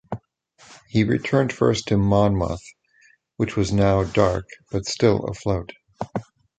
He returned first to "Monmouth", which was now dark but still afloat.